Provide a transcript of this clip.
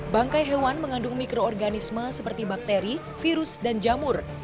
bangkai hewan mengandung mikroorganisme seperti bakteri virus dan jamur